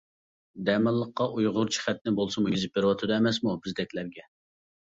دەماللىققا ئۇيغۇرچە خەتنى بولسىمۇ يېزىپ بېرىۋاتىدۇ ئەمەسمۇ بىزدەكلەرگە.